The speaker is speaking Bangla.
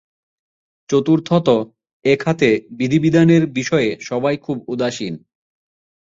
চতুর্থত, এ খাতে বিধিবিধানের বিষয়ে সবাই খুব উদাসীন।